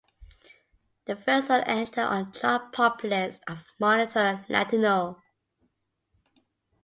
The first one entered on Chart Pop list of Monitor Latino.